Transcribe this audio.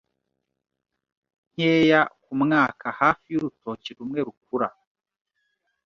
nkeya ku mwaka hafi y'urutoki rumwe rukura